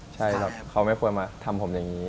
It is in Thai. ใช่ครับเขาไม่ควรมาทำผมอย่างนี้